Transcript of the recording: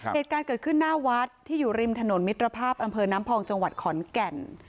เหตุการณ์เกิดขึ้นหน้าวัดที่อยู่ริมถนนมิตรภาพอำเภอน้ำพองจังหวัดขอนแก่น